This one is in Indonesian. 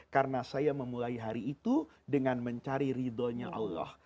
karena saya memulai hari itu dengan mencari ridhonya allah